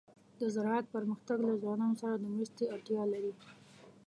د زراعت پرمختګ له ځوانانو سره د مرستې اړتیا لري.